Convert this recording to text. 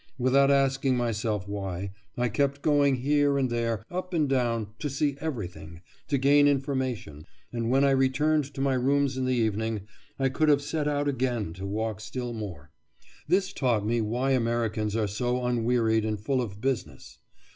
Without asking myself why, I kept going here and there, up and down, to see everything, to gain information; and when I returned to my rooms in the evening, I could have set out again to walk still more. This taught me why Americans are so unwearied and full of business.